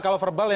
kalau verbal ya